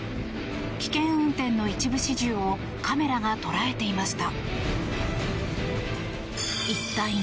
危険運転の一部始終をカメラが捉えていました。